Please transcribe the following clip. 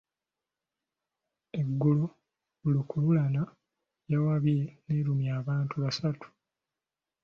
Eggulo lukululana yawabye n'erumya abantu basatu.